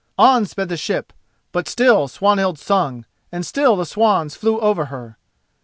On sped the ship, but still Swanhild sung, and still the swans flew over her.